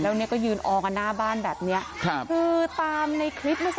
แล้วเนี่ยก็ยืนออกันหน้าบ้านแบบเนี้ยครับคือตามในคลิปเมื่อสัก